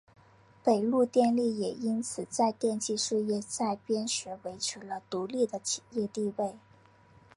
北陆电力也因此在电气事业再编时维持了独立的企业地位。